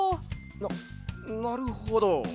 ななるほど。